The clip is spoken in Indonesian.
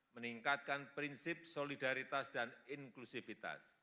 meningkatkan prinsip solidaritas dan inklusivitas